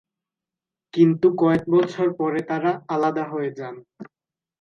কিন্তু কয়েক বছর পরে তারা আলাদা হয়ে যান।